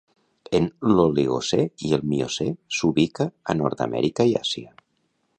En l'Oligocè i el Miocè s'ubica a Nord-Amèrica i Àsia.